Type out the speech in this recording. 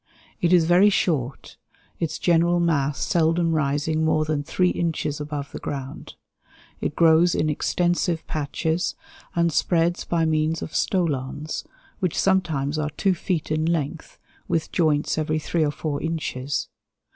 It is very short, its general mass seldom rising more than 3 inches above the ground. It grows in extensive patches, and spreads by means of stolons, which sometimes are 2 feet in length, with joints every 3 or 4 inches.